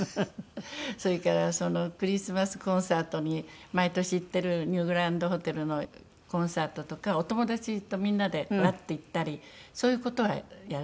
それからクリスマスコンサートに毎年行ってるニューグランドホテルのコンサートとかお友達とみんなでワッと行ったりそういう事はやれてますね。